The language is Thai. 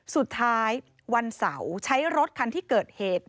สุดท้ายวันเสาร์ใช้รถคันที่เกิดเหตุ